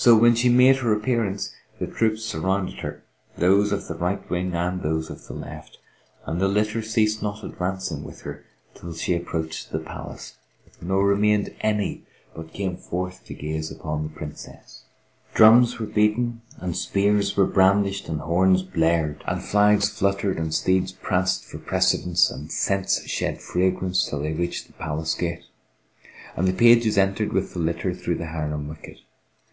So when she made her appearance, the troops surrounded her, these of the right wing and those of the left, and the litter ceased not advancing with her till she approached the palace; nor remained any but came forth to gaze upon the Princess. Drums were beaten and spears were brandished and horns blared and flags fluttered and steeds pranced for precedence and scents shed fragrance till they reached the palace gate and the pages entered with the litter through the Harim wicket.